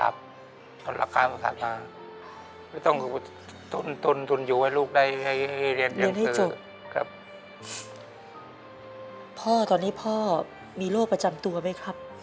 พ่อตอนนี้พ่อมีโรคประจำตัวไหมครับ